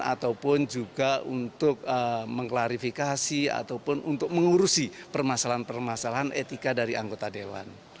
ataupun juga untuk mengklarifikasi ataupun untuk mengurusi permasalahan permasalahan etika dari anggota dewan